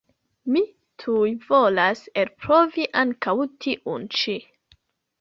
Mi tuj volas elprovi ankaŭ tiun ĉi.